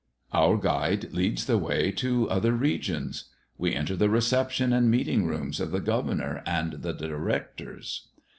Our guide leads the way to other regions. We enter the reception and meeting rooms of the Governor and the Directors.